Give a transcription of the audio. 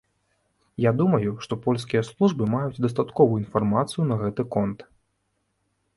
Я думаю, што польскія службы маюць дастатковую інфармацыю на гэты конт.